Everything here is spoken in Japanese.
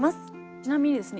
ちなみにですね